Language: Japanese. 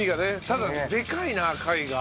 ただでかいな貝が。